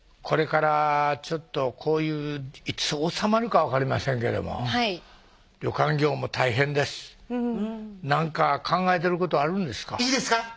これからちょっとこういういつ収まるか分かりませんけども旅館業も大変ですうん何か考えてることはあるんですか？